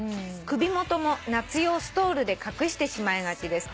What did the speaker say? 「首元も夏用ストールで隠してしまいがちです」